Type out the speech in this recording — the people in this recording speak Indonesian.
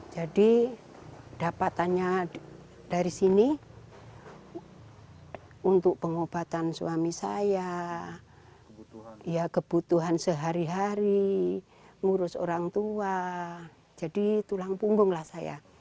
dapatannya dari sini untuk pengobatan suami saya kebutuhan sehari hari ngurus orang tua jadi tulang punggung lah saya